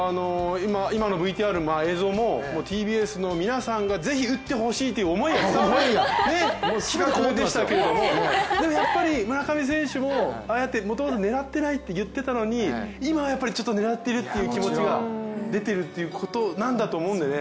今の映像も、ＴＢＳの皆さんがぜひ打ってほしいという思いがこもっていましたけれどもでも、村上選手ももともと、ああやって「狙ってない」って言っていたけど今はやっぱりちょっと狙っているという気持ちが出ているということなんだと思うんでね